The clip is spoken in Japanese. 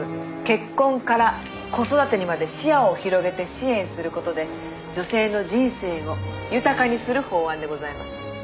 「結婚から子育てにまで視野を広げて支援する事で女性の人生を豊かにする法案でございます」